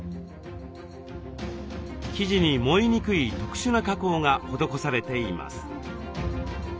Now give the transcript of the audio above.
生地に燃えにくい特殊な加工が施されています。